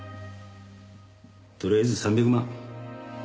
とりあえず３００万。